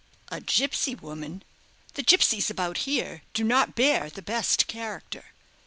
"A gipsy woman! The gipsies about here do not bear the best character."